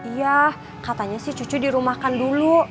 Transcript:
iya katanya sih cucu dirumahkan dulu